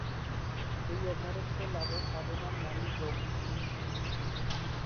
এই অমরত্ব লাভের সাধনার নামই ‘যোগ’।